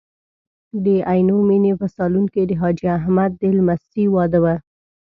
د عینومېنې په سالون کې د حاجي احمد د لمسۍ واده و.